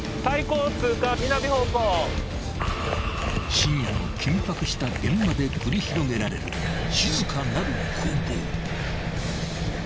［深夜の緊迫した現場で繰り広げられる静かなる攻防］